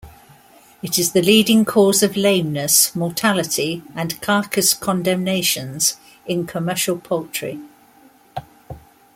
It is the leading cause of lameness, mortality, and carcass condemnations in commercial poultry.